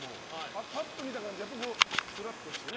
パッと見た感じ、すらっとしてね。